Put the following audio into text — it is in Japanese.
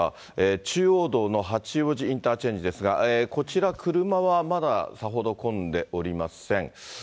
中央道の八王子インターチェンジですが、こちら、車はまださほど混んでおりません。